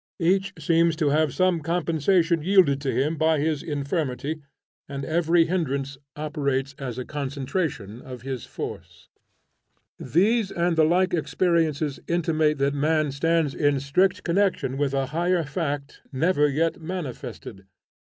Each seems to have some compensation yielded to him by his infirmity, and every hindrance operates as a concentration of his force. These and the like experiences intimate that man stands in strict connection with a higher fact never yet manifested.